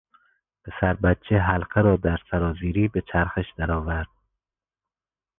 پسر بچه حلقه را در سرازیری به چرخش درآورد.